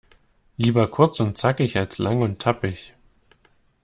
Lieber kurz und zackig, als lang und tappig..